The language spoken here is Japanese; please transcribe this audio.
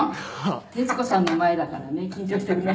「徹子さんの前だからね緊張してるね」